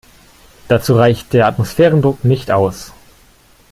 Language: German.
Dazu reicht der Atmosphärendruck nicht aus.